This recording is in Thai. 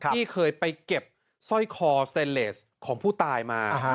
ที่เคยไปเก็บสร้อยคอสเตนเลสของผู้ตายมา